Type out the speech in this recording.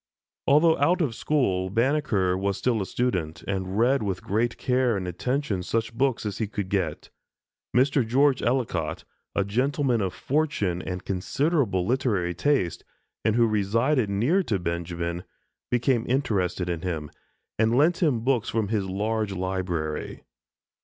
Although out of school, Banneker was still a student, and read with great care and attention such books as he could get. Mr. George Ellicott, a gentlemen of fortune and considerable literary taste, and who resided near to Benjamin, became interested in him, and lent him books from his large library.